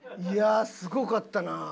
いやあすごかったな。